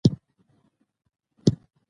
د قانون مراعت عدالت تضمینوي